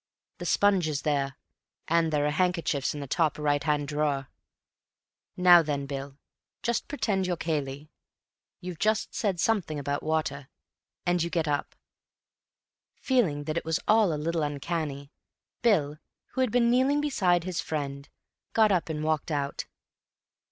"The sponge is there, and there are handkerchiefs in the top right hand drawer. Now then, Bill, just pretend you're Cayley. You've just said something about water, and you get up." Feeling that it was all a little uncanny, Bill, who had been kneeling beside his friend, got up and walked out.